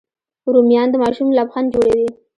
رومیان د ماشوم لبخند جوړوي